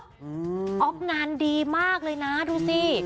อ๊อฟงานดีมากเลยนะดูสิ